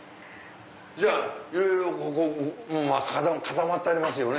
じゃあいろいろ固まってありますよね。